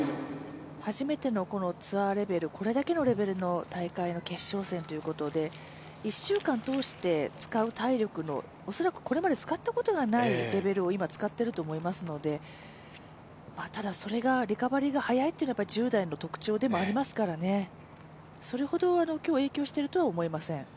初めてのツアーレベル、これだけのレベルの大会の決勝戦ということで、１週間通して使う体力の恐らくこれまで使ったことがないレベルを今、使っていると思いますのでただ、リカバリーが早いというのは１０代の特徴でもありますからそれほど今日、影響しているとは思いません。